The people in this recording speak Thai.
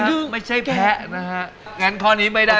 ก็บอกแพ้แบบแกะนี่แหละ